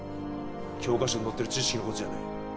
教科書に載ってる知識のことじゃねえ